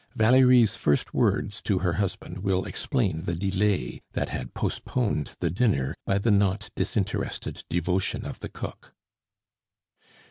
Valerie's first words to her husband will explain the delay that had postponed the dinner by the not disinterested devotion of the cook.